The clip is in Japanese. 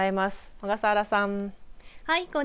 小笠原さん。